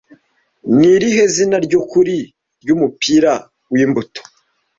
Ni irihe zina ryukuri ryumupira wimbuto